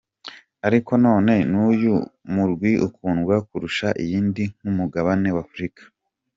Ariko none n'uyuhe murwi ukundwa kurusha iyindi ku mugabane wa Afrika?.